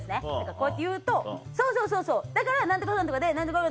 こうやって言うと「そうそうそうだから何とか何とかで」。